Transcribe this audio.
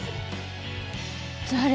誰？